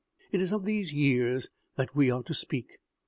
It is of these years that we are to speak."